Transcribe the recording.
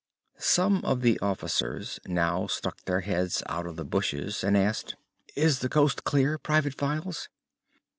Some of the officers now stuck their heads out of the bushes and asked: "Is the coast clear, Private Files?"